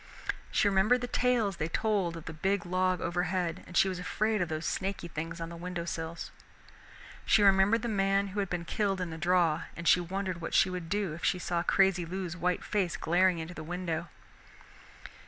She remembered the tales they told of the big log overhead and she was afraid of those snaky things on the windowsills. She remembered the man who had been killed in the draw, and she wondered what she would do if she saw crazy Lou's white face glaring into the window.